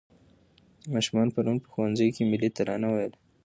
ماشومانو پرون په ښوونځي کې ملي ترانه وویله.